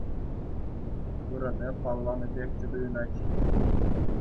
Вырӑнӗ палланӑ пек те туйӑнать.